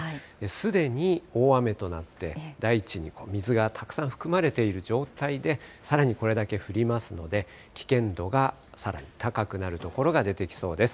すでに大雨となって、大地に水がたくさん含まれている状態で、さらにこれだけ降りますので、危険度がさらに高くなる所が出てきそうです。